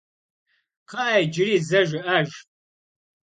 Kxhı'e, yicıri ze jjı'ejj!